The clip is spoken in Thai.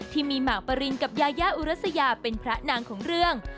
ที่มีหมากปรินกับยายาอุรัสยาเป็นพระนางของเรื่อง